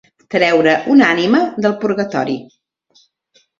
Treure una ànima del purgatori.